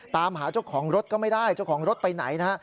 ตามหาเจ้าของรถก็ไม่ได้เจ้าของรถไปไหนนะฮะ